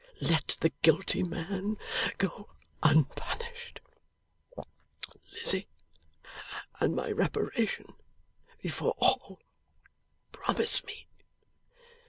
Let the guilty man go unpunished. Lizzie and my reparation before all! Promise me!